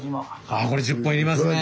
あこれ１０本いりますね。